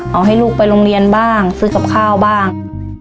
เอาให้ลูกไปโรงเรียนบ้างซื้อกับข้าวบ้าง